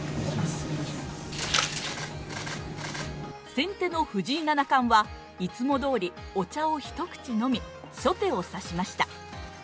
先手の藤井七冠はいつもどおりお茶を一口のみ、初手を指しました。